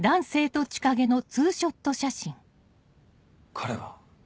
彼は？